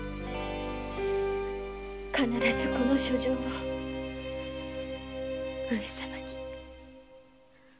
必ずこの書状を上様に。